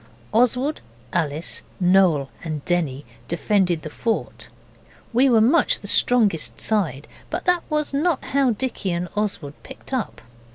Oswald, Alice, Noel and Denny defended the fort. We were much the strongest side, but that was how Dicky and Oswald picked up.